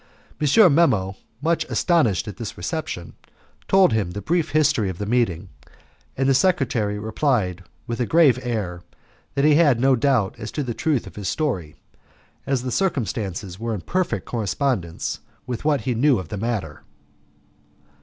M. Memmo, much astonished at this reception, told him the brief history of the meeting, and the secretary replied with a grave air that he had no doubt as to the truth of his story, as the circumstances were in perfect correspondence with what he knew of the matter.